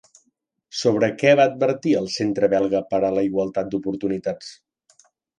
Sobre què va advertir el Centre belga per a la Igualtat d'Oportunitats?